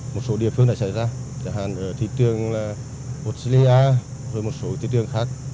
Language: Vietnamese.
một số địa phương đã xảy ra chẳng hạn ở thị trường là australia rồi một số thị trường khác